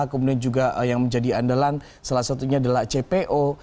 kemudian juga yang menjadi andalan salah satunya adalah cpo